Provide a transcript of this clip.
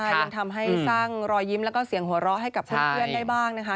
ยังทำให้สร้างรอยยิ้มแล้วก็เสียงหัวเราะให้กับเพื่อนได้บ้างนะคะ